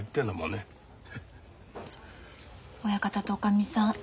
親方とおかみさん